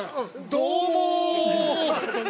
どうも。